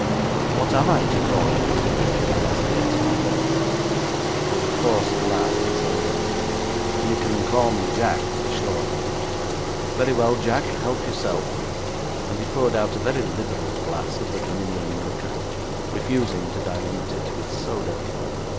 'What am I to call you?' I asked the ex convict. With a forced laugh he said; 'You can call me Jack for short.' 'Very well, Jack, help yourself,' and he poured out a very liberal glass of the Dominion liquor, refusing to dilute it with soda.